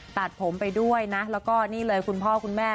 ตัดผมไปด้วยนะแล้วก็นี่เลยคุณพ่อคุณแม่